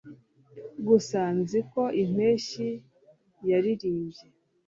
Gusa nzi ko impeshyi yaririmbye